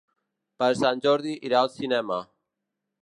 Per Sant Jordi irà al cinema.